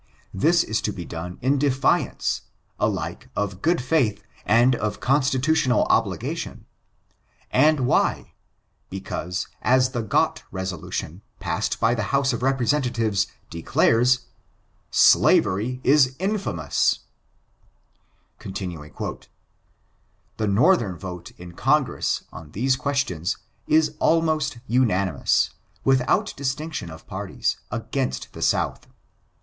This is to be done in defiance, alike of good faith and of constitutional obligation; and whyl because, as the Gott resolution, passed by the House of Representatives, declares, * Slavery is in/anums /'"* The Northern vote in Congress on these questions is almost unanimous, without distinction of parties, against the South.